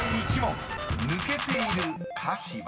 ［抜けている歌詞は？］